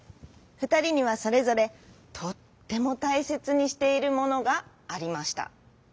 ふたりにはそれぞれとってもたいせつにしているものがありました。